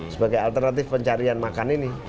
sebagai alternatif pencarian makan ini